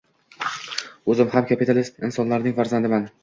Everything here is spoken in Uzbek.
O‘zim ham kapitalist insonlarning farzandiman.